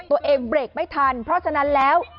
เบรกไม่ทันเพราะฉะนั้นแล้ว